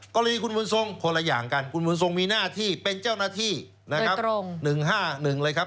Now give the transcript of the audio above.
กรณีคุณบุญทรงคนละอย่างกันคุณบุญทรงมีหน้าที่เป็นเจ้าหน้าที่นะครับ๑๕๑เลยครับ